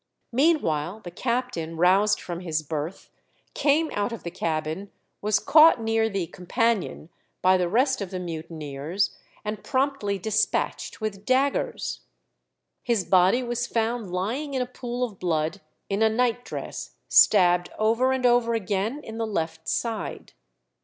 Meanwhile the captain, roused from his berth, came out of the cabin, was caught near the 'companion' by the rest of the mutineers, and promptly despatched with daggers. His body was found lying in a pool of blood in a night dress, stabbed over and over again in the left side.